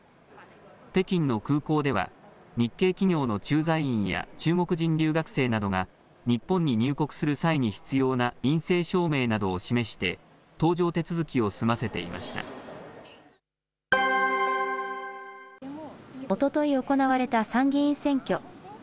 北京の空港では日系企業の駐在員や、中国人留学生などが日本に入国する際に必要な陰性証明などを示して、搭乗手続きを済ませていおととい行われた参議院選挙。